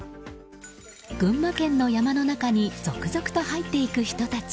群馬県の山の中に続々と入っていく人たち。